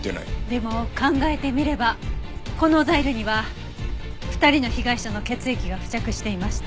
でも考えてみればこのザイルには２人の被害者の血液が付着していました。